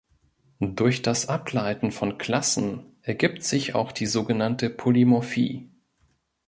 Durch das Ableiten von Klassen ergibt sich auch die sogenannte Polymorphie.